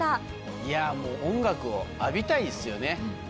いや、もう、音楽を浴びたいですよね。